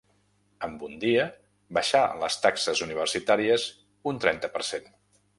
Amb un dia, baixar les taxes universitàries un trenta per cent.